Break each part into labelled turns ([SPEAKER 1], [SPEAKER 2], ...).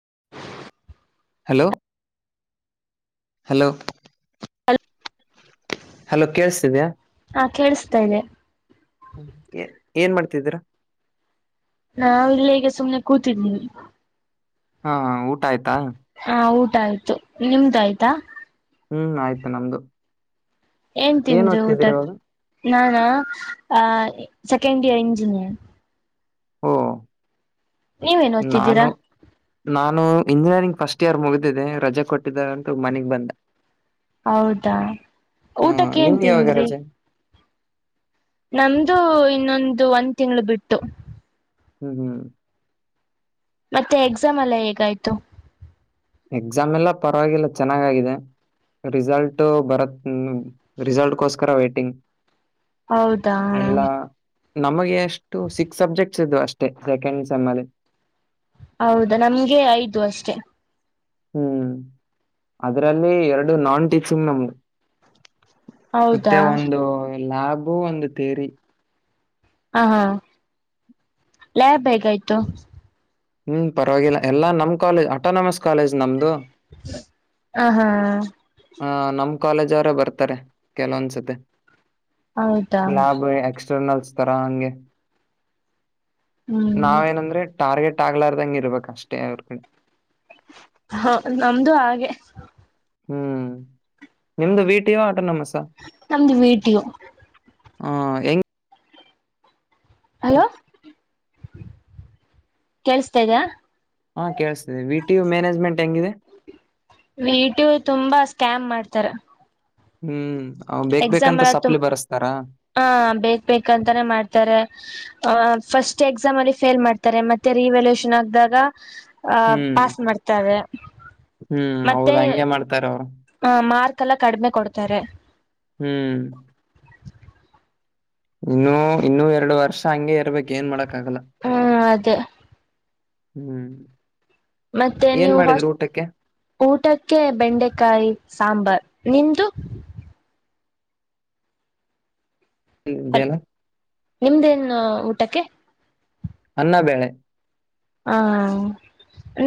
[SPEAKER 1] [unintelligible]
[SPEAKER 2] Hello, hello hello ಕೇಳ್ಸತಿದ್ಯಾ,
[SPEAKER 1] ಹಾ, ಕೇಳ್ಸಿತಿದೆ.
[SPEAKER 2] ಹ್ಮ್, ಏನ್ ಮಾಡ್ತಿದ್ದೀರ
[SPEAKER 1] ನಾವ್ ಇಲ್ಲೇ ಈಗ ಸುಮ್ನೆ ಕೂತಿದೀವಿ.
[SPEAKER 2] ಹಾ, ಊಟ ಆಯ್ತಾ
[SPEAKER 1] ಹಾ, ಊಟ ಆಯ್ತು. ನಿಮ್ದ ಆಯ್ತಾ
[SPEAKER 2] ಹ್ಮ್, ಆಯ್ತು ನಮ್ದು.
[SPEAKER 1] ಏನ್ ತಿಂದ್ರಿ ಊಟ
[SPEAKER 2] ಓದ್ತಿದ್ದೀರಿ ಇವಾಗ
[SPEAKER 1] ನಾನಾ ಆ ಸೆಕೆಂಡ್ ಇಯರ್ ಇಂಜಿನಿಯರ್,
[SPEAKER 2] ಹೋ.... [inaudible]
[SPEAKER 1] ನೀವೇ ನ್ ಓದ್ತಿದ್ದೀರಾ,
[SPEAKER 2] ನಾನು ಇಂಜಿನಿಯರಿಂಗ್ ಫಸ್ಟ್ ಇಯರ್ ಮುಗ್ದಿದೆರಜೆ ಕೊಟ್ಟಿದ್ದಾರೆ. ಅಂತ ಮನೆಗ್ ಬಂದೆ
[SPEAKER 1] ಹೌದಾ!
[SPEAKER 2] ಹಾ
[SPEAKER 1] ಊಟಕ್ಕೆ ಏನ್
[SPEAKER 2] ನಿಮ್ಗೆ ಯಾವಾಗ
[SPEAKER 1] ತಿಂದ್ರಿ
[SPEAKER 2] ರಜೆ
[SPEAKER 1] ನಮ್ದು ಇನ್ನೊಂದು ಒಂದ್ ತಿಂಗ್ಳ ಬಿಟ್ಟು.
[SPEAKER 2] ಹ್ಮ್, ಹ್ಮ್
[SPEAKER 1] ಮತ್ತೆ ಎಕ್ಸಾಮ್ ಎಲ್ಲ ಹೇಗಾಯ್ತು.
[SPEAKER 2] ಎಕ್ಸಾಮ್ ಎಲ್ಲಾ ಪರವಾಗಿಲ್ಲ ಚೆನ್ನಾಗಾಗಿದೆ. ರಿಸಲ್ಟ್ ಬರತ್, ರಿಸಲ್ಟ್ಕೋಸ್ಕರ ವೇಟಿಂಗ್.
[SPEAKER 1] ಹೌದಾ
[SPEAKER 2] ಎಲ್ಲಾ ನಮಗೆ ಎಷ್ಟು ಸಿ ಸಬ್ಜೆಕ್ಟ್ಸ್ ಇದ್ವು ಅಷ್ಟೇ ಸೆಕೆಂಡ್ ಸೇಮ್ ಅಲ್ಲಿ.
[SPEAKER 1] ಹೌದಾ, ನಮ್ಗೆ ಐದು ಅಷ್ಟೆ
[SPEAKER 2] ಹ್ಮ್, ಅದ್ರಲ್ಲಿ ಎರಡು ನಾನ್ ಟೀಕ್ಷ [unintelligible] ಮ್ ನಮ್ದು
[SPEAKER 1] ಹೌದಾ
[SPEAKER 2] ಮತ್ತೆ ಒಂದು ಲ್ಯಾಬು, ಒಂದು ತೇರಿ
[SPEAKER 1] ಹಾ, ಹಾ ಲ್ಯಾಬ್ ಹೇಗಾಯ್ತು.
[SPEAKER 2] ಹ್ಮ್, ಪರವಾಗಿಲ್ಲ ಎಲ್ಲಾ ನಮ್ ಕಾಲೇಜ್ ಆಟೋನಮಸ್ ಕಾಲೇಜ್ ನಮ್ದು.
[SPEAKER 1] ಹ, ಹಾ,,
[SPEAKER 2] ಹ, ನಮ್ ಕಾಲೇಜ್ ಅವರೇ ಬರ್ತಾರೆ ಕೆಲವೊಂದ್ಸತೆ.
[SPEAKER 1] ಹೌದಾ,
[SPEAKER 2] ತ ಹಗೆ.....
[SPEAKER 1] ಹ್ಮ್
[SPEAKER 2] ನಾವ ನಂದ್ರೆ ಟಾರ್ಗೆಟ್ [unintelligible] ಆಗ್ಲಾರ್ದಂಗೆ ಇರ್ಬೇಕ ಅಷ್ಟೇ ಅವ್ರ ಕಡೆ.
[SPEAKER 1] ಹಾ, ನಮ್ದು ಹಾಗೆ
[SPEAKER 2] ಹ್ಮ್, ನಿಮ್ದು ವೀಟಿಯೋ, ಆಟೋ ನಮಸ್
[SPEAKER 1] ನಮ್ದ ವೀಟು [inaudible]
[SPEAKER 2] ಹಾ ಹೆಂಗ [unintelligible]
[SPEAKER 1] ಹಲೋ, ಕೇೇಳಸ್ತಾದೀಯಾ
[SPEAKER 2] ಹಾ, ಕೇಳಸ್ತಿದೆ. ವಿ, ಟಿ, ಯು ಮ್ಯಾನೇಜ್ಮೆಂಟ್ ಹೆಂಗಿದೆ.
[SPEAKER 1] ವಿಟಿ, ಯು ತುಂಬಾ ಸ್ಕ್ಯಾಮ್ ಮಾಡ್ತಾರ.
[SPEAKER 2] ಹ್ಮ್, ಅವ್ ಬೇಕ್
[SPEAKER 1] ಎಕ್ಸಾಮ್
[SPEAKER 2] ಬೇಕಂತ ಸಪ್ಲಿ ಬರಸ್ತಾರ
[SPEAKER 1] ಬೇಕು, ಬೇಕಂತಾನೇ ಮಾಡ್ತಾರೆ. ಆ ಫಸ್ಟ್ ಎಕ್ಸಾಮ್ ಅಲ್ಲಿ ಫೇಲ್ ಮಾಡ್ತಾರೆ. ಮತ್ತೆ ರಿವ್ಯಾಲ್ಯೂಷನ್ ಆಕ್ದಾಗ. ಆ
[SPEAKER 2] ಹ್ಮ್
[SPEAKER 1] ಪಾಸ್ ಮಾಡ್ತಾರೆ.
[SPEAKER 2] ಹ್ಮ್
[SPEAKER 1] ಮತ್ತೆ
[SPEAKER 2] ಹೌದು ಹಂಗೆ ಮಾಡ್ತಾರ ಅವ್ರು
[SPEAKER 1] ಮಾರ್ಕ್ [inaudible] ಕಡಿಮೆ ಕೊಡ್ತಾರೆ
[SPEAKER 2] ಹ್ಮ್ ಇನ್ನುೂ ಇನ್ನುೂ ಎರಡು ವರ್ಷ ಹಂಗಗೆ ಇರ್ಬೇಕ ಏನ್ ಮಾಡಕ್ ಆಗಲ್ಲ
[SPEAKER 1] ಹ್ಮ್ ಅದೇ
[SPEAKER 2] ಹ್ಮ್
[SPEAKER 1] ಮತ್ತೆ
[SPEAKER 2] ಏನ್
[SPEAKER 1] ನೀವು
[SPEAKER 2] ಮಾಡಿದ್ರು ಊಟಕ್ಕೆ
[SPEAKER 1] ಊಟಕ್ಕೆ ಬೆಂಡೆಕಾಯಿ ಸಾಂಬಾರ್ ನಿಂದುು
[SPEAKER 2] [unintelligible]
[SPEAKER 1] ನಿಮ್ದೇನ್ ಊಟಕ್ಕೆ
[SPEAKER 2] ಅನ್ನಬೇಳೆ
[SPEAKER 1] ಹಾ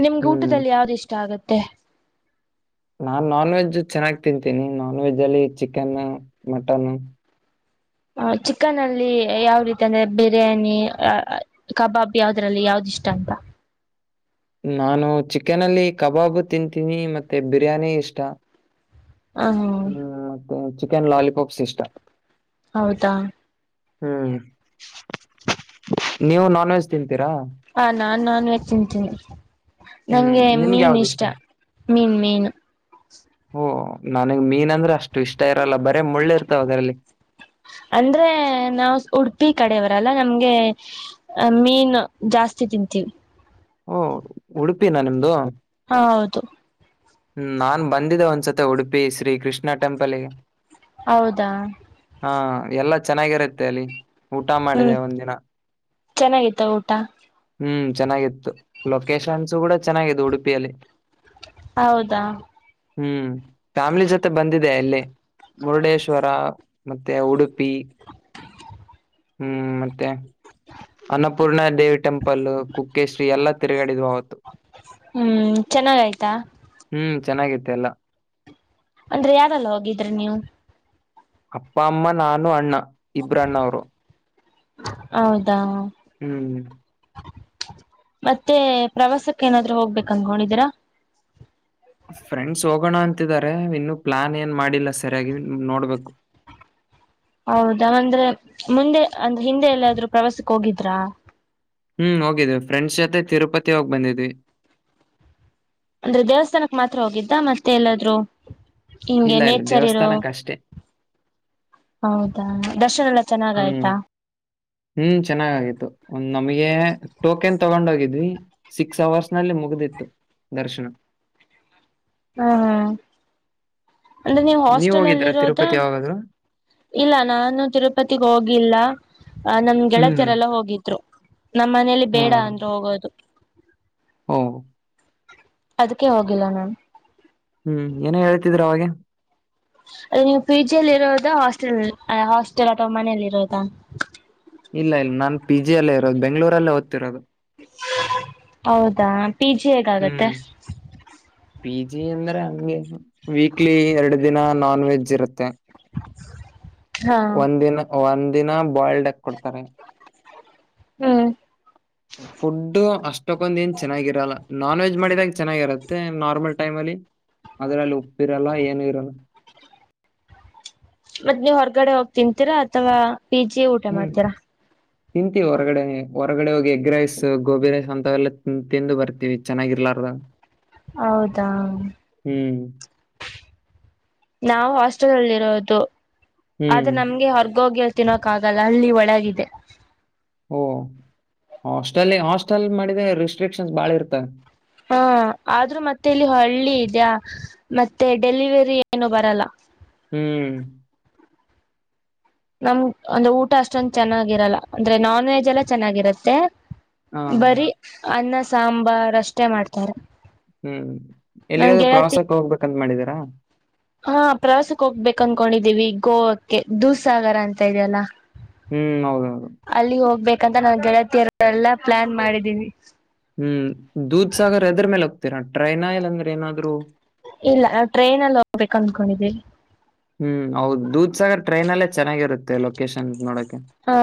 [SPEAKER 1] ನಿಮ್ಗೆ
[SPEAKER 2] ಹ್ಮ್
[SPEAKER 1] ಊಟದಲ್ಲಿ ಯಾವ್ದ ಇಷ್ಟ ಆಗತ್ತೆ
[SPEAKER 2] ನಾನ್ ನಾನ್ ವೆಜ್ ಚೆನ್ನಾಗಿ್ ತಿಂತೀನಿ ನಾನ್ ವೆಜ್ ಅಲ್ಲಿ ಚಿಕನ್ ಮಟನ್
[SPEAKER 1] ಹ ಚಿಕನ್ ಅಲ್ಲಿ ಯಾವ ರೀತಿ ಅಂದ್ರೆ ಬಿರಿಯಾನಿ ಕಬಾಬ್ ಯಾವದ್ರಲ್ಲಿ ಯಾವ್ದ ಇಷ್ಟ ಅಂತ
[SPEAKER 2] [inaudible] ನಾನು ಚಿಕನ್ ಅಲ್ಲಿ ಕಬಾಬು ತಿಂತೀನಿ ಮತ್ತೆ ಬಿರಿಯಾನಿ ಇಷ್ಟ
[SPEAKER 1] ಹ
[SPEAKER 2] ಹ್ಮ್ ಮತ್ತೆ ಚಿಕನ್ ಲಾಲಿಪಾಪ್ಸ್ ಇಷ್ಟ
[SPEAKER 1] ಹೌದಾ
[SPEAKER 2] ಹ್ಮ್ ನೀವು ನಾನ್ ವೆಜ್ ತಿಂತೀರಾ
[SPEAKER 1] ಹ ನಾನ್ ನಾನ್ ವೆಜ್ ತಿಂತೀನಿ
[SPEAKER 2] ಹ್ಮ್
[SPEAKER 1] ನಂಗೆ
[SPEAKER 2] ನಿಮ್ಗೆ
[SPEAKER 1] ಮೀನ್
[SPEAKER 2] ಯಾವ್ದು
[SPEAKER 1] ಇಷ್ಟ ಮೀನ್ ಮೀನು
[SPEAKER 2] ನನಗೆ ಮೀನ್ ಅಂದ್ರೆ ಅಷ್ಟು ಇಷ್ಟ ಇ
[SPEAKER 1] ಅಂದ್ರೆ ನಾವ್ ಉಡುಪಿ ಕಡೆ ಲ್ಲ ನಮ್ಗೆ ಮೀನು ಜಾಸ್ತಿ ತಿಂತೀವಿ
[SPEAKER 2] ಓ ಉಡುಪಿನ ನಿಮ್ದು
[SPEAKER 1] ಹಾ ಹೌದು
[SPEAKER 2] ಹ್ಮ ನಾನ್ ಬಂದಿದ್ದ ಒಂದ್ಸತಿ ಉಡುಪಿ ಶ್ರೀ ಕೃಷ್ಣ ಟೆಂಪಲ್ಗೆ
[SPEAKER 1] ಹೌದಾ
[SPEAKER 2] ಹಾ ಎಲ್ಲಾ ಚೆನ್ನಾಗಿರುತ್ತೆ ಅಲ್ಲಿ ಊಟ ಮಾಡಿದೆ
[SPEAKER 1] ಹ್ಮ್
[SPEAKER 2] ಒಂದಿನ
[SPEAKER 1] ಚೆನ್ನಾಗಿತ್ತ ಊಟ
[SPEAKER 2] ಹ್ಮ್ ಚೆನ್ನಾಗಿತ್ತು ಲೊಕೇಶನ್ಸು ಕೂಡ ಚೆನ್ನ ಉಡುಪಿಯಲ್ಲಿ
[SPEAKER 1] ಹೌದಾ
[SPEAKER 2] ಹ್ಮ್ ಫ್ಯಾಮಿಲಿ ಫ್ಯಾಮಿಲಿ ಜೊತೆ ಮತ್ತೆ ಬಂದಿದೆ ಅಲ್ಲಿ ಮುರುಡೇಶ್ವರ ಮತ್ತೆ ಉಡುಪಿ [inaudible] ಹ್ಮ್ ಮತ್ತೆ ಅನ್ನಪೂರ್ಣ ದೇವಿ ಟೆಂಪಲ್ ಕುಕ್ಕೆೇಶ್ರೀ ಎಲ್ಲಾ ತಿರುಗಾಡಿದ್
[SPEAKER 1] ಹ್ಮ್ ಚೆನ್ನಾಗ ಆಯ್ತಾ
[SPEAKER 2] ಚೆನ್ನಾಗಿತ್ತ ಎಲ್ಲ
[SPEAKER 1] ಅಂದ್ರೆ ಯಾವ್ದಲ್ಲ ಹೋಗಿದ್ರಿ ನೀವು
[SPEAKER 2] ಅಪ್ಪ ಅಮ್ಮ ನಾನು ಅಣ್ಣ ಇಬ್ರಣ್ಣವರು
[SPEAKER 1] ಹೌದಾ
[SPEAKER 2] ಹ್ಮ್
[SPEAKER 1] ಮತ್ತೆ ಪ್ರವಾಸಕ್ಕೆ ಏನಾದ್ರೂ ಹೋಗ್ಬೇಕ ಅನ್ಕೊಂಡಿದ್ದೀರಾ
[SPEAKER 2] ಫ್ರೆಂಡ್ಸ್ ಹೋಗೋಣ ಅಂತಿದ್ದಾರೆ ಇನ್ನು ಪ್ಲಾನ್ ಏನ್ ಮಾಡಿಲ್ಲ ಸರಿಯಾಗಿ ನೋಡ್ಬೇಕು [inaudible]
[SPEAKER 1] ಹೌದಾ ಅಂದ್ರೆ ಮುಂದೆ ಅಂದ್ರೆ ಹಿಂದೆ ಎಲ್ಲಾದ್ರರು ಪ್ರವಾಸಕ್ಕೆ ಹೋಗಿದ್ರಾ
[SPEAKER 2] ಹ್ಮ್ ಹೋಗಿದ್ದ್ವಿ ಫ್ರೆಂಡ್ಸ್ ಜೊತೆ ತಿರುಪತಿ ಹೋಗಿ ಬಂದಿದ್ವಿ
[SPEAKER 1] ಅಂದ್ರೆ ದೇವಸ್ಥಾನಕ್ ಮಾತ್ರ ಹೋಗಿದ್ದ ಮತ್ತೆ ಎಲ್ಲಾದ್ರು ಹಿಂಗೆ
[SPEAKER 2] ಇಲ್ಲ ಇಲ್ಲಿ
[SPEAKER 1] ನೇಚರ್ ಇರೋ
[SPEAKER 2] ದೇವಸ್ಥಾನಕ್ಕೆ ಅಷ್ಟೇ.
[SPEAKER 1] ಹೌದಾ ದರ್ಶನ್ ಎಲ್ಲಾ ಚೆನ್ನಾಗ
[SPEAKER 2] ಹ್ಮ್
[SPEAKER 1] ಆಯ್ತಾ
[SPEAKER 2] ಹ್ಮ್ ಚೆನ್ನಾಗಾಗಿತ್ತು ಒಂದ್ ನಮಗೆ ಟೋಕೆನ್ ತಗೊಂಡೋಗಿದ್ವಿ ಸಿಕ್ಸ್ ಅವರ್ಸ್ ನಲ್ಲಿ ಮುಗ್ದಿತ್ತು ದರ್ಶನ
[SPEAKER 1] ಹ ಹ ಅಂದ್ರೆ ನೀವು ಹಾಸ್ಟೆಲ್ ಅಲ್ಲಿ
[SPEAKER 2] ಹೋಗಿದ್ರ
[SPEAKER 1] ಇರೋದ
[SPEAKER 2] ತಿರುಪತಿ ಯಾವಾಗಾದ್ರು
[SPEAKER 1] ಇಲ್ಲ ನಾನು ತಿರುಪತಿಗೆ ಹೋಗಿಲ್ಲ ಅ ನಮ್
[SPEAKER 2] ಹ್ಮ್
[SPEAKER 1] ಗೆಳತರೆಲ್ಲ ಹೋಗಿದ್ರು ನಮ್ಮ ಮನೇಲಿ ಬೇಡ ಅಂದ್ರು ಹೋಗೋದು
[SPEAKER 2] ಹೂ
[SPEAKER 1] ಅದಕ್ಕೆ ಹೋಗಿಲ್ಲ ನಾನು
[SPEAKER 2] ಹೂ ಏನೇ ಹೇಳ್ತಿದ್ರ ಅವಾಗೆ
[SPEAKER 1] ಅ ನೀವು ಪಿ ಜಿಲ್ಲಿ ಇರೋದ ಹಾಸ್ಟೆಲ್ ಹಾಸ್ಟೆಲ್ ಅಥವಾ ಮನಲಿ ಇರೋದಾ
[SPEAKER 2] ಇಲ್ಲ ಇಲ್ಲ ನಾನ್ ಪಿ ಜಿಿಯಲ್ಲೇ ಇರೋದು ಬೆಂ್ೂರಲ್ಲ ಓದ್ತಿರೋದು
[SPEAKER 1] ಹೌದಾ ಪಿ ಜಿ ಹೇಗಾಗುತ್ತೇ
[SPEAKER 2] ಹ್ಮ್ ಪಿ ಜಿ ಅಂದ್ರೆ ಹಂಗೆ ವೀಕ್ಲಿ ಎರಡು ದಿನ ನಾನ್ ವೆಜ್ ಇರುತ್ತೆ
[SPEAKER 1] ಹ
[SPEAKER 2] ಒಂದಿನ ಒಂದ ದಿನ ಬಾಯ್ಲ್ಡ್ ಎಗ್ ಕೊಡ್ತಾರೆ
[SPEAKER 1] ಹೂ
[SPEAKER 2] ಹ ಫುಡ್ ಅಷ್ಟಕ್ಕೊಂದು ಏನ್ ಚೆನ್ನಾಗಿರಲ್ಲ ನಾನ್ ವೆಜ್ ಮಾಡಿದಾಗ ಚೆನ್ನಾಗಿರತ್ತೆ ನಾರ್ಮಲ್ ಟೈಮ್ ಅಲ್ಲಿ ಅದ್ರ ಅಲ್ಲಿ ಉಪ್ಪಿರಲ್ಲ ಏನು ಇರೋಲ್ಲ
[SPEAKER 1] ಮತ್ತತ್ ನೀವ್ ಹೊರಗಡೆ ಹೋಗಿ ತಿನ್ಂತೀರಾ ಅಥವಾ ಪಿಜಿ ಊಟ
[SPEAKER 2] ಹ್ಮ್
[SPEAKER 1] ಮಾಡ್ತೀರಾ
[SPEAKER 2] ತಿಂತೀವಿ ಹೊರಗಡೆ ಹೊರಗಡೆ ಹೋಗಿ ಎಗ್ ರೈಸ್ ಗೋಬಿ ರೈಸ್ ಅಂತವೆಲ್ಲ ತಿಂದು ಬರ್ತಿೀವಿ ಚೆನ್ನಾಗಿಲ್ ರ
[SPEAKER 1] ಹೌದಾ
[SPEAKER 2] ಹೂ
[SPEAKER 1] ನಾವು ಹಾಸ್ಟೆಲ್ ಅಲ್ಲಿ ಇರೋದು
[SPEAKER 2] ಹ್ಮ್
[SPEAKER 1] ಆದ್ರೆ ನಮ್ಗೆ ಹೊರ್ಗೋಗಿ ತಿನ್ನೋಕ್ ಆಗಲ್ಲ ಅಲ್ಲಿ ಒಳಗಿದೆ
[SPEAKER 2] ಓ ಹಾಸ್ಟೆಲ್ ಹಾಸ್ಟೆಲ್ ಮಾಡಿದ ರಿಸಿಸ್ಟ್ರಿಕ್ಷನ್ಸ್ ಬಾಳ ಇರ್ತವೆ
[SPEAKER 1] ಹಾ ಆದ್ರೂ ಮತ್ತೆ ಇಲ್ಲಿ ಹಳ್ಳಿ ಇದ್ಯಾ ಮತ್ತೆ ಡೆಲಿವರಿ ಏನು ಬರಲ್ಲ
[SPEAKER 2] ಹೂ
[SPEAKER 1] ನಮ್ ಒಂದು ಊಟ ಅಷ್ಟೊಂದ ಚೆನ್ನಾಗಿರಲ್ಲ ಅಂದ್ರೆ ನಾನ್ ವೆಜ್ ಎಲ್ಲ ಚೆನ್ನಾಗಿರತ್ತೆ
[SPEAKER 2] ಹಾ
[SPEAKER 1] ಬರಿೀ ಅನ್ನ ಸಾಂಬಾರ್ ಅಷ್ಟೇ ಮಾಡ್ತಾರೆ
[SPEAKER 2] ಹೂ
[SPEAKER 1] ನನ್
[SPEAKER 2] ಎಲ್ಲಿಗಾದ್ೂ
[SPEAKER 1] ಗೆಳತಿ
[SPEAKER 2] ಪ್ರವಾಸಕ್ಕೆ ಹೋಗ್ಬೇಕಂತ ಮಾಡಿದೀರಾ
[SPEAKER 1] ಹಾ ಪ್ರವಾಸಕ್ಕೆ ಹೋಗ್ಬೇಕು ಅನ್ಕೊಂಡಿದ್ದೀವಿ ಗೋವಾಕ್ಕೆ ದೂಸಾಗರ ಅಂತ ಇದೆಯಲ್ಲ
[SPEAKER 2] ಹೂ ಹೌದ ಹೌದು
[SPEAKER 1] ಯಾಕಂತ ನಾ ಗೆಳತಿಯರ ಎಲ್ಲಾ ಪ್ಲಾನ್ ಮಾಡಿದೀನಿ
[SPEAKER 2] ಹೂ ದೂದ್ ಸಾಗರ್ ಎದ್ರ ಮೇಲೆ ಹೋಗ್ತೀರಾ ಟ್ರೈನ ಇಲ್ ಅಂದ್ರೆ ಏನಾದ್ರು
[SPEAKER 1] ಇಲ್ಲ ನಾವು ಟ್ರೈನ್ ಅಲ್ಲಿ ಹೋಗ್ಬೇಕು ಅಂದಕೊಂಡಿದೀವಿ
[SPEAKER 2] ಹೂ ಹೌದ ದೂದ್ಸಾಗರ್ ಟ್ರೈನ್ಲ್ಲೇ ಚೆನ್ನಾಗಿರುತ್ತೆ ಲೊಕೇಶನ್ ನೋಡಕೆ
[SPEAKER 1] ಹಾ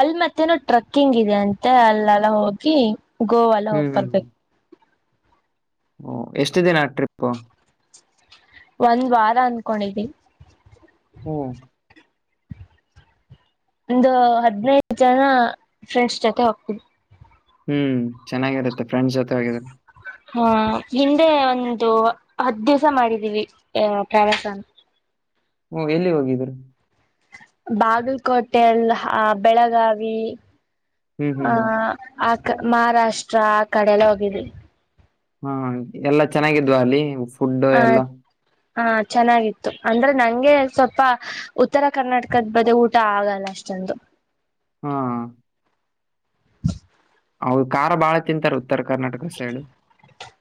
[SPEAKER 1] ಅಲ್ಲಿ ಮತ್ತೇನೋ ಟ್ರಕ್ಕಿಂಗ್ ಇದೆ ಅಂತ ಮತ್ತೆ ಅಲ್ಲೆಲ್ಲ ಹೋಗಿ ಗೋವಾಲ್ಲ ಹೋಗ್ ಬರ್ಬೇಕು
[SPEAKER 2] ಹ ಎಷ್ಟು ದಿನ ಟ್ರಿಪ್ು
[SPEAKER 1] ಒಂದ್ ವಾರ ಅನ್ಕೊಂಡಿದೀವಿ
[SPEAKER 2] ಓ
[SPEAKER 1] ಒಂದು ಹದ್ಿನೈದು ಜನ ಫ್ರೆಂಡ್ಸ್ ಜೊತೆ ಹೋಗ್ತಿದ್ವಿ
[SPEAKER 2] ಹೂ ಚೆನ್ನಾಗಿರುತ್ತೆ ಫ್ರೆಂಡ್ಸ್ ಜೊತೆ ಹೋಗಿದ್ರೆ
[SPEAKER 1] ಹಾ ಹಿಂದೆ ಒಂದು ಹದ್ ದಿವ್ಸ ಮಾಡಿದೀವಿ ಅ ಪ್ರವಾಸ ನಾ
[SPEAKER 2] ಹೂ ಎಲ್ಲಿ ಹೋಗಿದ್ರಿ
[SPEAKER 1] ಬಾಗಲಕೋಟೆಲ್ಲ ಬೆಳಗಾವಿ
[SPEAKER 2] ಹ್ಮ್ ಹ್ಮ್
[SPEAKER 1] ಆ
[SPEAKER 2] ಹ್ಮ್
[SPEAKER 1] ಆ ಮಹಾರಾಷ್ಟ್ರ ಆ ಕಡೆಲ್ಲ ಹೋಗಿದ್ವಿ
[SPEAKER 2] ಹೂ ಎಲ್ಲಾ ಚೆನ್ನಾಗಿದ್ವ ಅಲ್ಲಿ ಫುಡ್ ಎಲ್ಲಾ
[SPEAKER 1] ಹಾ ಚೆನ್ನಾಗಿತ್ತು ಅಂದ್ರೆ ನಂಗೆ ಸ್ವಲ್ಪ ಉತ್ತರ ಕರ್ನಾಟಕದ ಬದೇ ಊಟ ಆಗಲ್ಲ ಅಷ್ಟೆ ಅಂದು
[SPEAKER 2] ಹಾ ಹೌ ಖಾರ ಬಾಳ ತಿಂತಾರೆ ಉತ್ತರ ಕರ್ನಾಟಕ ಸೈಡ್.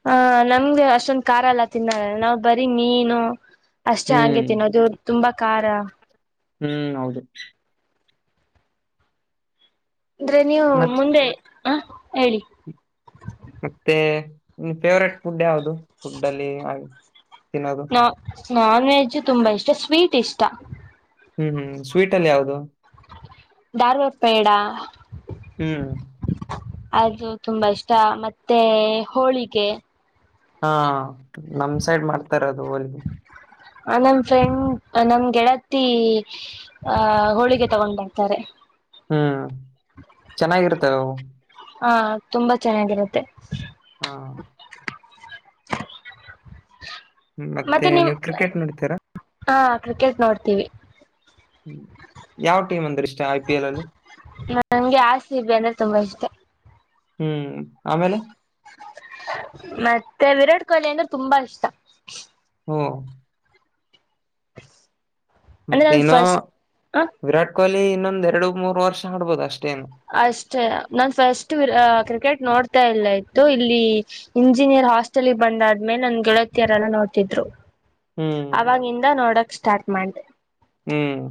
[SPEAKER 1] ಹ ನಮ್ಗೆ ಅಷ್ಟೊಂದು ಖಾರ್ ಎಲ್ಲ ತಿನ್ನ ನಾವವು ಬರೀ ಮೀನು ಅಷ್ಟೇ ಹಂಗೆ
[SPEAKER 2] ಹ್ಮ್
[SPEAKER 1] ತಿನ್ನೋದುವ ತುಂಬಾ ಖಾರ
[SPEAKER 2] ಹ್ಮ್ ಹೌದು
[SPEAKER 1] ಅಂದ್ರೆ ನೀವು
[SPEAKER 2] ಮತ್
[SPEAKER 1] ಮುಂದೆ ಹ ಹೇಳಿ
[SPEAKER 2] ಮತ್ತೆ ನಿನ್ ಫೇವ್ರೇಟ್ ಫುಡ್ ಯಾವವುದು ಫುಡ್ ಅಲ್ಲಿ ಹಾಗೆ
[SPEAKER 1] ನಾ ನಾನ್ ವೆಜ್ ತುಂಬಾ ಇಷ್ಟ ಸ್ವೀಟ್ ಇಷ್ಟ
[SPEAKER 2] ಹ್ಮ್ ಹ್ಮ್ ಸ್ವೀಟ್ ಅಲ್ಲಿ ಯಾವದು
[SPEAKER 1] ಾರ್ವಾಪ್ಪೇಡ
[SPEAKER 2] ಹ್ಮ್
[SPEAKER 1] ಅದು ತುಂಬಾ ಇಷ್ಟ ಮತ್ತೆ ಹೋಳಿಗೆ
[SPEAKER 2] ಹಾ ನಮ್ ಸೈಡ್ ಮಾಡ್ತಾರದು ಹೋಲ್
[SPEAKER 1] ಆ ನಮ್ ಫ್ರೆಂಡ್ ನಮ್ ಗೆಳತಿ ಆಹ ಹೋಳಿಗೆ ತಗೊಂಡರ್ತಾರೆ
[SPEAKER 2] ಹ್ಮ್ ಚೆನ್ನಾಗಿರ್ತವೆ
[SPEAKER 1] ಹಾ ತುಂಬಾ ಚೆನ್ನಾಗಿರುತ್ತೆ
[SPEAKER 2] ಹಾ ಮತ್ತೆ ನೀವ್ ಕ್ರಿಕೆಟ್ ನೋಡತೀರಾ
[SPEAKER 1] ಹಾ ಕ್ರಿಕೆಟ್ ನೋಡ್ತೀವಿ
[SPEAKER 2] ್ಮ ಯಾವ ಟೀಮ್ ಅಂದ್ರೆ ಇಷ್ಟ ಆಯ್ತ
[SPEAKER 1] ನಂಗೆ ಆರ್‌ಸಿಬಿ ಅಂದ್ರೆ ತುಂಬಾ ಇಷ್ಟೆ
[SPEAKER 2] ಹ್ಮ್ ಆಮೇಲೆ?
[SPEAKER 1] ಮತ್ತೆ ವಿರಾಟ್ ಕೊಹ್ಲಿ ಅಂದ್ರೆ ತುಂಬಾ ಇಷ್ಟ
[SPEAKER 2] ಹಾ
[SPEAKER 1] ಅಂದ್ರೆ
[SPEAKER 2] ಮತ್ತೆ
[SPEAKER 1] ನನ್
[SPEAKER 2] ಇನ್ನು
[SPEAKER 1] ಫಸ್ಟ್ ಹ
[SPEAKER 2] ವಿರಾಟ್ ಕೊಹ್ಲಿ ಇನ್ನೊಂದ್ ಎರಡು ಮೂರ್ ವರ್ಷ ಆಡ್ಬೋದ ಅಷ್ಟೆ
[SPEAKER 1] ಅಷ್ಟೇ ನಾನ್ ಫಸ್ಟ್ ಕ್ರಿಕೆಟ್ ನೋಡ್ತಾ ಇಲ್ಲ ಇಲ್ಲಿ ಇಂಜಿನಿಯರ್ ಹಾಸ್ಟೆಲ್ಗೆ ಬಂದಾದ್ಮೇಲೆ ನಂದ ಗೆಳತಿಯರಲ್ಲ ನೋಡ್ತಿದ್ರು
[SPEAKER 2] ಹ್ಮ್.
[SPEAKER 1] ಅವಾಗಿಂದ ನೋಡಕ್ ಸ್ಟಾರ್ಟ್ ಮಾಡೆ
[SPEAKER 2] ಹ್ಮ್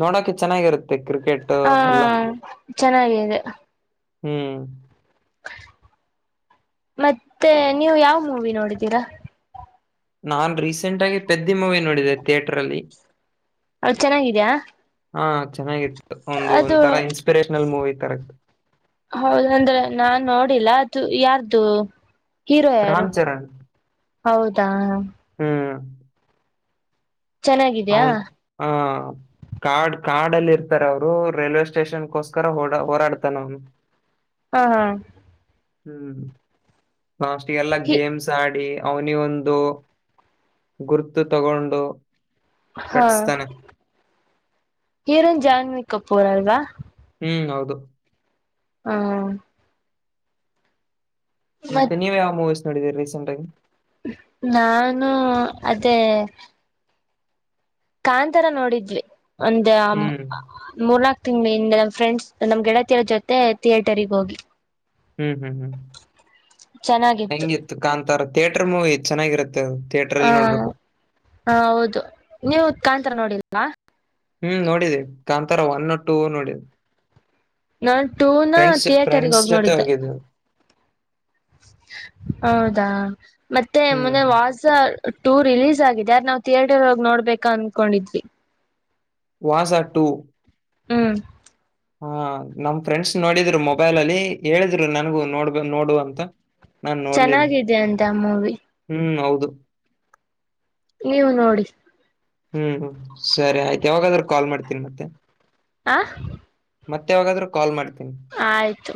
[SPEAKER 2] ನೋಡಕೆ ಚೆನ್ನಾಗಿರುತ್ತೆ ಕ್ರಿಕೆಟ್
[SPEAKER 1] ಹ
[SPEAKER 2] ಎಲ್ಲ
[SPEAKER 1] ಚೆನ್ನಾಗಿದೆ
[SPEAKER 2] ಹ್ಮ್
[SPEAKER 1] ಮತ್ತೆ ನೀವು ಯಾವ್ ಮೂವಿ ನೋಡಿದೀರಾ
[SPEAKER 2] ನಾು ರೀಸೆಂಟ್ ಆಗಿ ಪೆದ್ದಿ ಮೂವಿ ನೋಡಿದೆೆ ಥಿಯೇಟರ್ ಅಲ್ಲಿ
[SPEAKER 1] ಅವಳ ಚೆನ್ನಾಗಿದ್ಯಾ
[SPEAKER 2] ಹಾ ಚೆನ್ನಾಗಿತ್ತು ಒಂದು
[SPEAKER 1] ಅದು
[SPEAKER 2] ಒಂದರ ಇನ್ಸ್ಪಿರೇಷನಲ್ ಮೂವಿ ತರ ಇತ್ತು
[SPEAKER 1] ಹೌದಂದ್ರೆ ನಾನ್ ನೋಡಿಲ್ಲ ಅದು ಯಾರ್ದು ಹೀರೋ ಯಾರು
[SPEAKER 2] ರಾಮ್ ಚರಣ್.
[SPEAKER 1] ಹೌದಾ
[SPEAKER 2] ಹ್ಮ್.
[SPEAKER 1] ಚೆನ್ನಾಗಿದ್ಯಾ
[SPEAKER 2] ಅವನ್ ಆ ಕಾರ್ಡ್ ಕಾಡಲ್ಲಿ ಇರ್ತಾರ ಅವರು ರೈಲ್ವೆ ಸ್ಟೇಷನ್ಕೋಸ್ಕರ ಓಡ ಹಓರಾಡ್ತಾನ ಅವ್ನು
[SPEAKER 1] ಹಾ ಹಾ
[SPEAKER 2] ಹ್ಮ್ ಲಾಸ್ಟ್ ಇರ್ಲ್ಲ ಗೇಮ್ಸ್ ಆಡಿ ಅವನಿ ಒಂದು ಗುರುತು ತಗೊಂಡು
[SPEAKER 1] ಹಾ
[SPEAKER 2] ಕಟ್ಸ್ತಾನೆ.
[SPEAKER 1] ಹಿರನ್ ಜಾನ್ವಿ ಕಪೂರ್ ಅಲ್ವಾ
[SPEAKER 2] ಹ್ಮ್ ಹೌದು
[SPEAKER 1] ಹ್ಮ ಮತ್
[SPEAKER 2] ಮತ್ತತ್ತನವ ಯಾವ ಮೂವಿಸ್ ನೋಡಿದ ರೀಸೆಂಟಗಿ
[SPEAKER 1] ನಾನು ಅದೇ ಕಾಂತರ ನೋಡಿದ್ವಿ ಒಂದ
[SPEAKER 2] ಹ್ಮ್
[SPEAKER 1] ಮೂರ್ನಾಾಕ್ ತಿಂಗಳಿಂದ ನಮ್ ಫ್ರೆಂಡ್ಸ್ ನಮ್ ಗೆಳತಿಯರ ಜೊತೆ ಥಿಯೇಟರ್ಗ ಹೋಗಿ
[SPEAKER 2] ಹ್ಮ್ ಹ್ಮ್
[SPEAKER 1] ಚೆನ್ನಾಗಿತ್ತು
[SPEAKER 2] ಹೆಂಗಿತ್ತು ಕಾಂತಾರ ಥಿಯೇಟರ್ ಮೂವಿ ಚೆನ್ನಾಗಿರುತ್ತೆ ಥಿಯೇಟರ್ ಅಲ್ಲಿ
[SPEAKER 1] ಹ
[SPEAKER 2] ನೋಡ್ಬೇಕು
[SPEAKER 1] ಹ ಹೌದು ನೀವು ತಾಂತರ ನೋಡಿಲ್ವಾ
[SPEAKER 2] ಹ್ಮ್ ನೋಡಿದೆ ಕಾಂತರ ಒನ್ ನೋ ಟೂ ನೋಡಿದೆ
[SPEAKER 1] ನಾನ್ ಟೂನ
[SPEAKER 2] ್ರೆಂಡ್ಸ್
[SPEAKER 1] ಥಿಯೇಟರ್ಗೆ
[SPEAKER 2] ಫ್ರೆಂಡ್ಸ್
[SPEAKER 1] ಹೋಗಿ
[SPEAKER 2] ಜೊತೆ
[SPEAKER 1] ನೋಡಿದ್ದೆ
[SPEAKER 2] ಹೋಗಿದ್ದ
[SPEAKER 1] ಹೌದಾ ಮತ್ತೆ
[SPEAKER 2] ಹ್ಮ್
[SPEAKER 1] ಮೊನ್ನೆ ವಾಸ ಟೂ ರಿಲೀಸ್ ಆಗಿದೆ ಯಾರ ನಾವ್ ಥಿಯೇಟರ್ಗಿ ನೋಡ್ಬೇಕ ಅನ್ಕೊಂಡಿದ್ವಿ
[SPEAKER 2] ವಾಸ ಟು
[SPEAKER 1] ಹ್ಮ್
[SPEAKER 2] ಹಾ ನಮ್ ಫ್ರೆಂಡ್ಸ್ ನೋಡಿದ್ರು ಮೊಬೈಲ ಅಲ್ಲಿ ಹೇಳಿದ್ರು ನನ್ಗೂ ನೋಡ್ಬ ನೋಡು ಅಂತ ನಾನ್ ನೋಡ್ಲಿಲ್ಲ
[SPEAKER 1] ಚೆನ್ನಾಗಿದೆ ಅಂತ ಮೂವಿ
[SPEAKER 2] ಹ್ಮ್ ಹೌದು
[SPEAKER 1] ನೀವು ನೋಡಿ
[SPEAKER 2] ಹ್ಮ್ ಸರಿ ಆಯ್ತು ಯಾವಾಗಾದ್ರೂ ಕಾಲ್ ಮಾಡ್ತೀನಿ ಮತ್ತೆ
[SPEAKER 1] ಆ
[SPEAKER 2] ಮತ್ತೆವಾಗಾದ್ರ ಕಾಲ್ ಮಾಡ್ತವಿ
[SPEAKER 1] ಆಯ್ತು